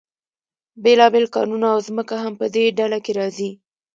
بیلابیل کانونه او ځمکه هم په دې ډله کې راځي.